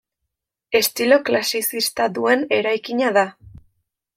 Estilo klasizista duen eraikina da.